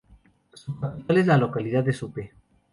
Su capital es la localidad de Supe.